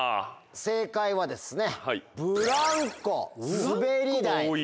正解はですね。